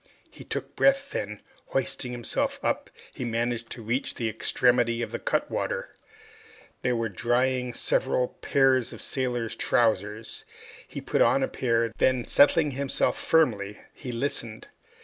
He took breath, then, hoisting himself up, he managed to reach the extremity of the cutwater. There were drying several pairs of sailors' trousers. He put on a pair. Then settling himself firmly, he listened.